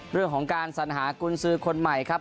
เรื่องของการสัญหากุญสือคนใหม่ครับ